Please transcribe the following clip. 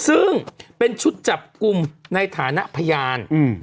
ซึ่งเป็นชุดจับกลุ่มในฐานะพยาน